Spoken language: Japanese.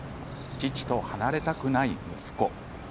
父と離れたくない息子。